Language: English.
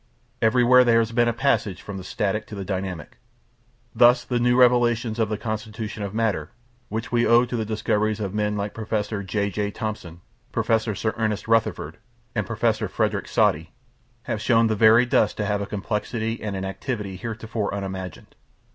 Everywhere there has been a passage from the static to the dynamic. Thus the new revelations of the constitution of matter, which we owe to the discoveries of men like Professor Sir J. J. Thomson, Professor Sir Ernest Rutherford, and Professor Frederick Soddy, have shown the very dust to have a complexity and an activity heretofore unimagined.